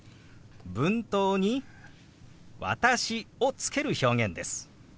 文頭に「私」をつける表現です。